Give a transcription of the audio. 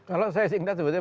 kalau saya singkat sebetulnya